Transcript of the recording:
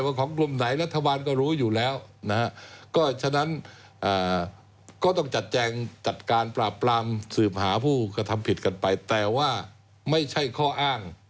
หาผู้กระทำผิดกันไปแต่ว่าไม่ใช่ข้ออ้าง